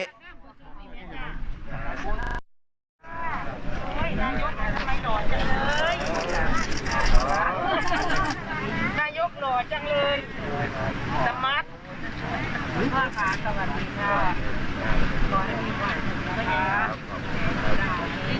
ชาวจังหวัดของพวกเราคุณป้าพอร์ต